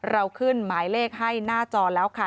เราขึ้นหมายเลขให้หน้าจอแล้วค่ะ